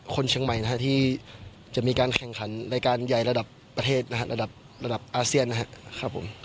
คนเชียงใหม่นะฮะที่จะมีการแข่งขันรายการใหญ่ระดับประเทศนะฮะระดับระดับอาเซียนนะครับผม